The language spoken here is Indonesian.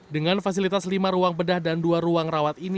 dengan fasilitas lima ruang bedah dan dua ruang rawat ini